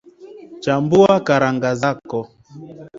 Chambua karanga zako